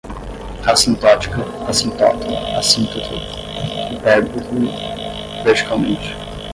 assintótica, assintota, assíntota, hipérbole, verticalmente